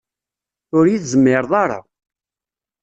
Ur yi-tezmireḍ ara